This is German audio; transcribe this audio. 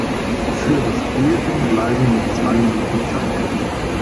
Für das Briefing bleiben nur zwei Minuten Zeit.